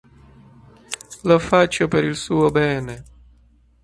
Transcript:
Lo faccio per il suo bene.